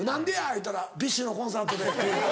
言うたら「ＢｉＳＨのコンサートで」って。